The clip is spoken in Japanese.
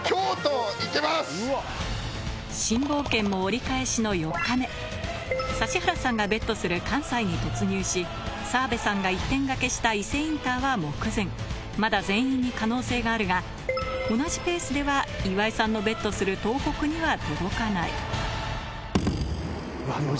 新冒険も折り返しの４日目指原さんがＢＥＴする関西に突入し澤部さんが一点賭けした伊勢インターは目前まだ全員に可能性があるが同じペースでは岩井さんのＢＥＴする東北には届かないうお！